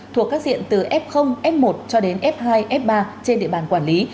thuộc các diện từ f f một cho đến f hai f ba trên địa bàn quản lý